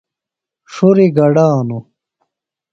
ڇُھریۡ گڈانوۡ۔